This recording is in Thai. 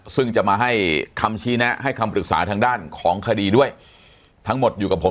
ซึ่งจะมาให้คำชี้แนะให้คำปรึกษาทางด้านของคดีด้วยทั้งหมดอยู่กับผม